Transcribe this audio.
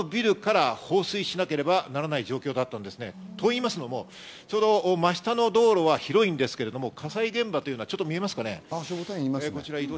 実はえんじのビルから放水しなければならない状況だったんです。といいますのも、その真下の道路は広いんですけど、火災現場というのは見えますか？